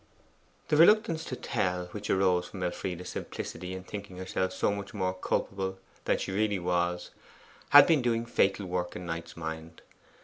The reluctance to tell, which arose from Elfride's simplicity in thinking herself so much more culpable than she really was, had been doing fatal work in Knight's mind.